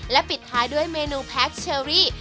ปิดท้ายด้วยเมนูแพ็คเชอรี่